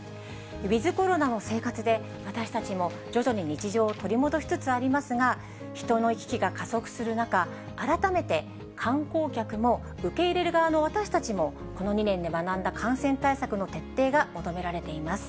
ウィズコロナの生活で、私たちも徐々に日常を取り戻しつつありますが、人の行き来が加速する中、改めて観光客も、受け入れる側の私たちも、この２年で学んだ感染対策の徹底が求められています。